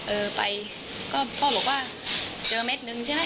เออไปก็พ่อบอกว่าเจอเม็ดนึงใช่ไหม